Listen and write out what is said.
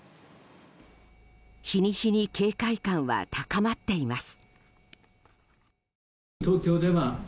日に日に警戒感は高まっています。